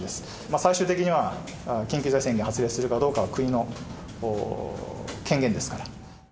最終的には、緊急事態宣言発令するかどうかは国の権限ですから。